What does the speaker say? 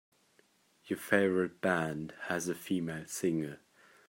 Your favorite band has a female singer.